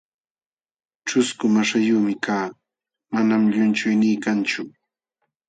ćhusku maśhayuqmi kaa, manam llunchuynii kanchu.